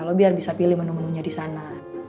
lo biar bisa pilih menu menunya disana